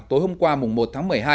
tối hôm qua mùng một tháng một mươi hai